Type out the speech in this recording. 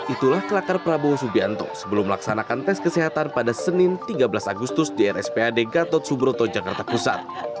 itulah kelakar prabowo subianto sebelum melaksanakan tes kesehatan pada senin tiga belas agustus di rspad gatot subroto jakarta pusat